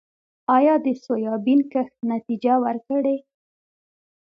آیا د سویابین کښت نتیجه ورکړې؟